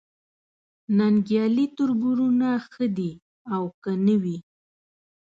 ننګیالي تربرونه ښه دي او که نه وي